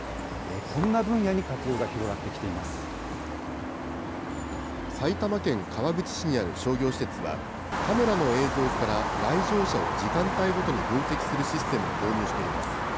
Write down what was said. こんな分野に活用が広がってきて埼玉県川口市にある商業施設は、カメラの映像から来場者を時間帯ごとに分析するシステムを導入しています。